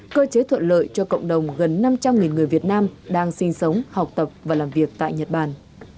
cơ chế thuận lợi cho cộng đồng gần năm trăm linh người việt nam đang sinh sống học tập và làm việc tại nhật bản